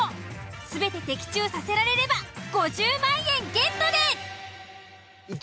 全て的中させられれば５０万円ゲットです！